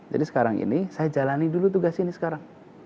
jadi sekarang ini saya jalani dulu tugas ini sekarang